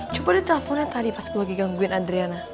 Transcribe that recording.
coba deh telponnya tadi pas gue lagi gangguin adriana